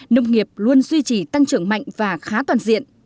nông nghiệp luôn duy trì tăng trưởng mạnh và khá toàn diện